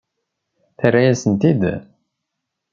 Terra-yasen-tt-id?